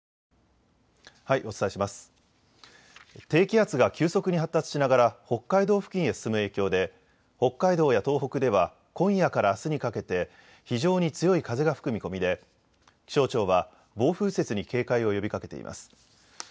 低気圧が急速に発達しながら北海道付近へ進む影響で北海道や東北では今夜からあすにかけて非常に強い風が吹く見込みで気象庁は暴風雪に警戒を呼びかけています。